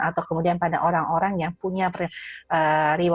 atau kemudian pada orang orang yang punya riwayat